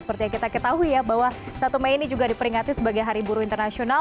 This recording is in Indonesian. seperti yang kita ketahui ya bahwa satu mei ini juga diperingati sebagai hari buruh internasional